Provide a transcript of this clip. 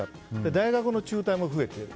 大学の中退も増えている。